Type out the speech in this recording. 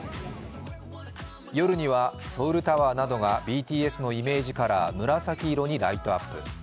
夜にはソウルタワーなどがＢＴＳのイメージカラー、紫色にライトアップ。